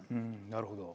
なるほど。